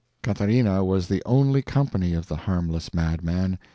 Catharina was the only company of the harmless madman.